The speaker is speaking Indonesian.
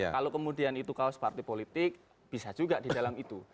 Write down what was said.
kalau kemudian itu kaos partai politik bisa juga di dalam itu